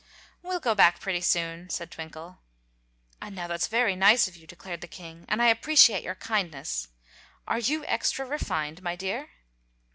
"We'll go back, pretty soon," said Twinkle. "Now, that's very nice of you," declared the king, "and I appreciate your kindness. Are you extra refined, my dear?"